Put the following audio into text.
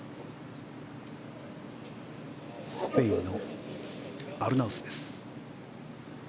スペインのアルナウス。